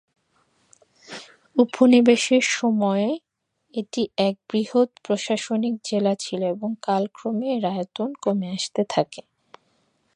উপনিবেশের সময়ে এটি এক বৃহৎ প্রশাসনিক জেলা ছিল এবং কালক্রমে এর আয়তন কমে আসতে থাকে।